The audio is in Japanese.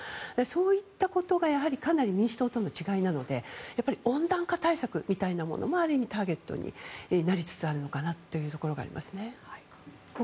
そういったことがかなり民主党との違いなので温暖化対策みたいなものもある意味、ターゲットになりつつあるのかなというところがありますね。